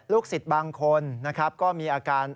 ลูกศิษย์บางคนนะครับก็มีอาการ